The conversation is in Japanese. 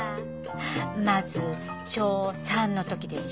まず小３の時でしょ。